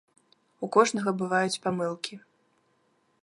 У кожнага бываюць памылкі.